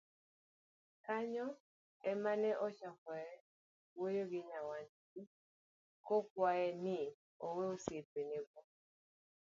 Kanyo ema ne ochakoe wuoyo gi nyawadgi, kokwaye ni owe osiepenego.